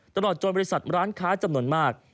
ตลอดจนบริษัทร้านค้าจำนวนมาก